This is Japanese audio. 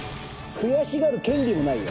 悔しがる権利もないよ。